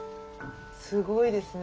すごいですね。